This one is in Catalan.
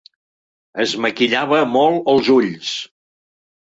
Es maquillava molt els ulls.